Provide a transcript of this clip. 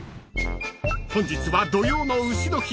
［本日は土用の丑の日］